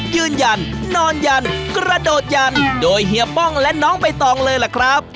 ยืนยันนอนยันกระโดดยันโดยเฮียป้องและน้องใบตองเลยล่ะครับ